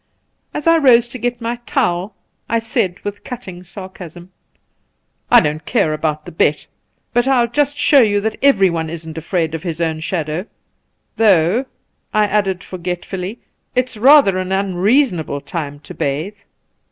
As I rose to get my towel I said with cutting sarcasm :' I don't care about the bet, but I'll just show you that everyone isn't afraid of his own shadow ; though,' I added forgetfully, 'it's rather an un reasonable time to bathe.'